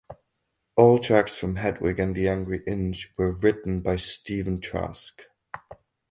All tracks from "Hedwig and the Angry Inch" were written by Stephen Trask.